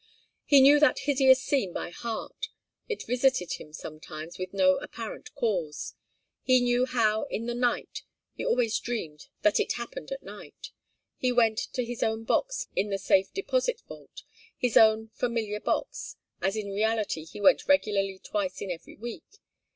He knew that hideous scene by heart. It visited him sometimes with no apparent cause. He knew how in the night he always dreamed that it happened at night he went to his own box in the Safe Deposit Vault, his own familiar box, as in reality he went regularly twice in every week.